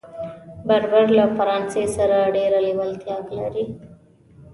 بربر له فرانسې سره ډېره لېوالتیا لري.